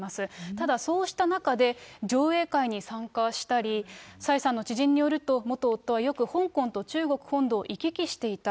ただ、そうした中で上映会に参加したり、蔡さんの知人によると、元夫はよく香港と中国本土を行き来していた。